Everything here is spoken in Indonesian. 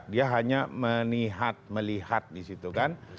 dia hanya melihat melihat di situ kan